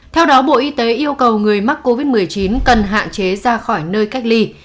theo đó bộ y tế yêu cầu người mắc covid một mươi chín cần hạn chế ra khỏi nơi cách ly